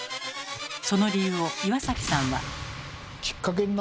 その理由を岩崎さんは。